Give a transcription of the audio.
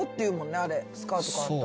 あれ「スカート変わった」